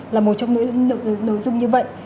là một trong những nội dung như vậy